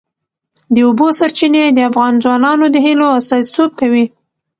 د اوبو سرچینې د افغان ځوانانو د هیلو استازیتوب کوي.